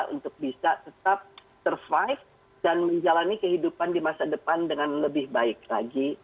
untuk bisa tetap survive dan menjalani kehidupan di masa depan dengan lebih baik lagi